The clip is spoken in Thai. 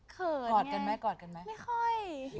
เขินไงไม่ค่อยกอดกันไหม